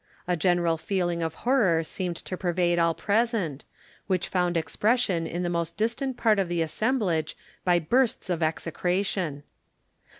A general feeling of horror seemed to pervade all present, which found expression in the most distant part of the assemblage by bursts of execration.